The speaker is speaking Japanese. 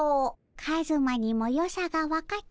カズマにもよさが分かったかの。